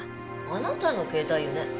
あなたの携帯よね？